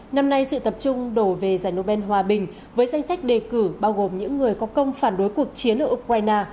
năm nay sự tập trung đổ về giải nobel hòa bình với danh sách đề cử bao gồm những người có công phản đối cuộc chiến ở ukraine